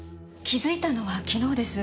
気づいたのは昨日です。